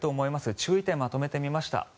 注意点をまとめてみました。